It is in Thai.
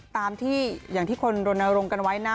ตามที่อย่างที่คนรณรงค์กันไว้นะ